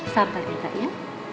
sabar kak ya